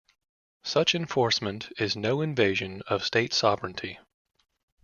Such enforcement is no invasion of State sovereignty.